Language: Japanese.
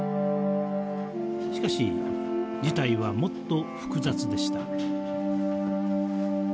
しかし事態はもっと複雑でした。